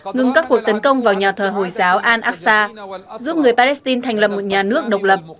ngừng các cuộc tấn công vào nhà thờ hồi giáo al aqsa giúp người palestine thành lập một nhà nước độc lập